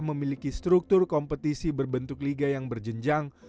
memiliki struktur kompetisi berbentuk liga yang berjenjang